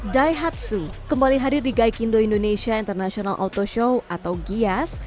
daihatsu kembali hadir di gaikindo indonesia international auto show atau gias